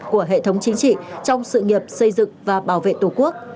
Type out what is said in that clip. của hệ thống chính trị trong sự nghiệp xây dựng và bảo vệ tổ quốc